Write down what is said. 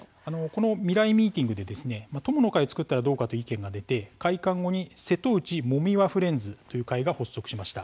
この未来ミーティングで友の会を作ったらどうかという意見が出て、開館後にせとうち・もみわフレンズという会が発足しました。